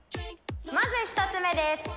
まず１つ目です。